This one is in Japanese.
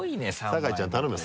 酒井ちゃん頼むよ。